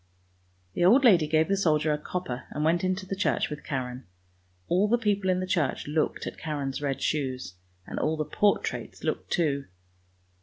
The old lady gave the soldier a copper and went into the church with Karen. All the people in the church looked at Karen's red shoes, and all the portraits looked too.